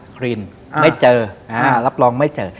ครีนไม่เจอรับรองไม่เจอ